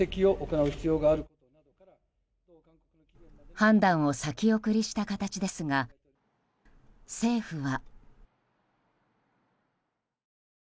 判断を先送りした形ですが政府は。